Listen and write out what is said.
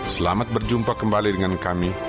selamat berjumpa kembali dengan kami